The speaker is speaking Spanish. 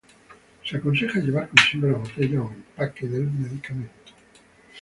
Se aconseja llevar consigo la botella o empaque del medicamento.